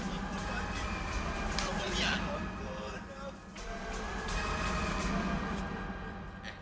lu pun lihat